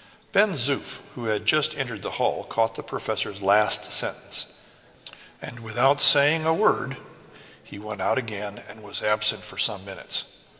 Ben Zoof, who had just entered the hall, caught the professor's last sentence, and without saying a word, went out again and was absent for some minutes.